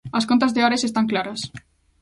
As contas de Ares están claras.